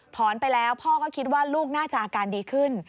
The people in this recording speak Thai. ไปแล้วพ่อก็คิดว่าลูกน่าจะอาการดีขึ้น